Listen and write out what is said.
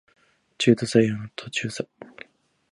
中途採用の途中さ